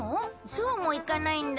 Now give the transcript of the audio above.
そうもいかないんだ。